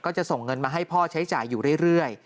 จะส่งเงินมาให้พ่อใช้จ่ายอยู่เรื่อย